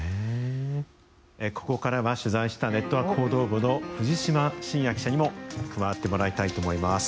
ここからは取材したネットワーク報道部の藤島新也記者にも加わってもらいたいと思います。